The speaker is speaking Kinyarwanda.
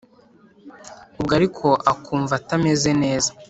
Ubwo ariko akumva atameze neza,